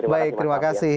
baik terima kasih